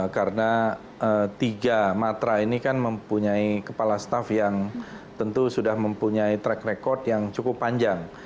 karena tiga matra ini kan mempunyai kepala staff yang tentu sudah mempunyai track record yang cukup panjang